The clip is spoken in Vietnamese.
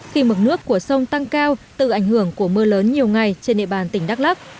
khi mực nước của sông tăng cao từ ảnh hưởng của mưa lớn nhiều ngày trên địa bàn tỉnh đắk lắc